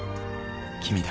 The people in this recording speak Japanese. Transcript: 君だ。